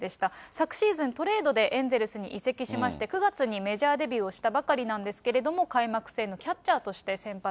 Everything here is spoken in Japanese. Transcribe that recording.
昨シーズン、トレードでエンゼルスに移籍しまして、９月にメジャーデビューをしたばかりなんですけども、開幕戦、キャッチャーとして先発。